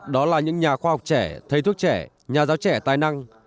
đó là những nhà khoa học trẻ thầy thuốc trẻ nhà giáo trẻ tài năng